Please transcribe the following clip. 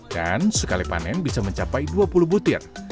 dan sekali panen bisa mencapai dua puluh butir